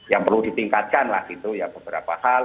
yang perlu ditingkatkan lah gitu ya beberapa hal